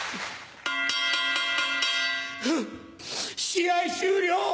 試合終了。